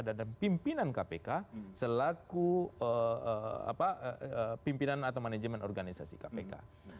dan pimpinan kpk selaku pimpinan atau manajemen organisasi kpk